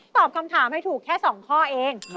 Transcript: ตอบคำถามให้ถูกแค่๒ข้อเอง